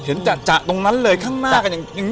เห็นจากตรงนั้นเลยข้างหน้ากัน